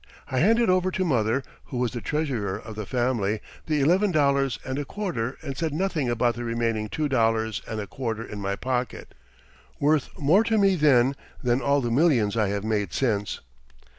I handed over to mother, who was the treasurer of the family, the eleven dollars and a quarter and said nothing about the remaining two dollars and a quarter in my pocket worth more to me then than all the millions I have made since.